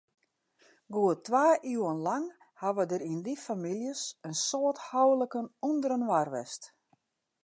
Goed twa iuwen lang hawwe der yn dy famyljes in soad houliken ûnderinoar west.